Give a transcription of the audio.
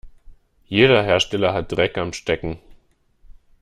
Jeder Hersteller hat Dreck am Stecken.